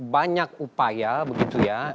banyak upaya begitu ya